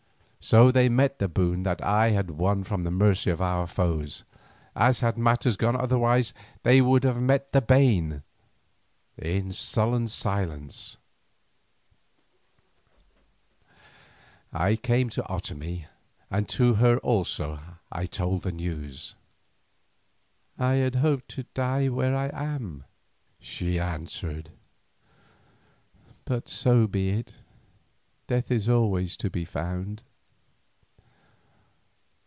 So they met the boon that I had won from the mercy of our foes, as had matters gone otherwise they would have met the bane, in sullen silence. I came to Otomie, and to her also I told the news. "I had hoped to die here where I am," she answered. "But so be it; death is always to be found."